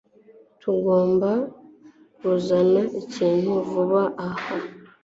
Tugomba kuzana ikintu vuba aha.